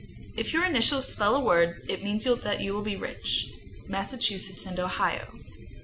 If your initials spell a word, it means that you will be rich. _Massachusetts and Ohio.